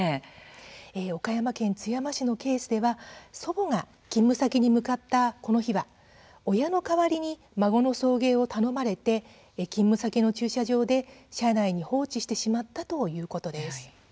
岡山県津山市のケースでは祖母が勤務先に向かったこの日は親の代わりに孫の送迎を頼まれて勤務先の駐車場で車内に放置してしまったということです。